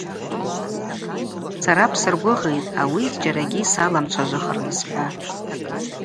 Сара бсыргвыгъитӏ ауи зджьарагьи саламчважвахырныс – хӏва.